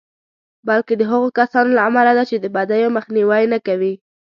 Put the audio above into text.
بلکې د هغو کسانو له امله ده چې د بدیو مخنیوی نه کوي.